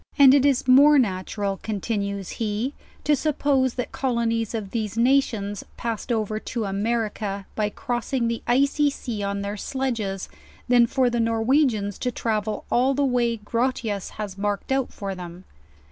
And it is more natural, con tinues he, to suppose that colonies of these nations passed over to America by crossing the Icy Sea on thoir sledges, than for the Norwegians to travel all the way Grotias has marked out for them.